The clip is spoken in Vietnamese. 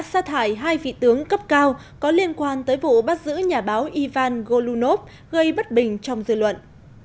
xa thải hai vị tướng cấp cao có liên quan tới vụ bắt giữ nhà báo ivan golunov gây bất bình trong dư luận